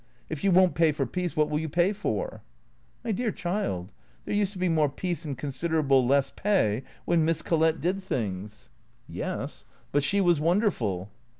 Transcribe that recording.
If you won't pay for peace, what will you pay for ?"" My dear child, there used to be more peace and considerable less pay when Miss Collett did things." " Yes. But she was wonderful."